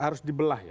harus dibelah ya